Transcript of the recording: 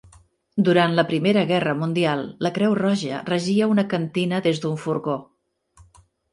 Durant la Primera Guerra Mundial, La Creu Roja regia una cantina des d'un furgó.